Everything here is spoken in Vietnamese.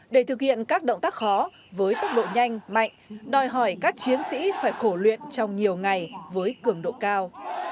để thực hiện các động tác khó với tốc độ nhanh mạnh đòi hỏi các chiến sĩ phải khổ luyện trong nhiều ngày với cường độ cao